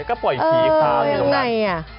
แล้วก็ปล่อยผีอีกครั้งอยู่ตรงนั้น